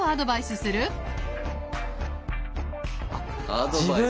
アドバイスね。